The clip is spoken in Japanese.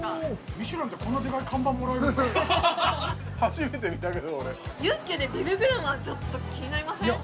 ミシュランってこんなデカい看板もらえるんだ初めて見たけど俺ユッケでビブグルマンちょっと気になりません？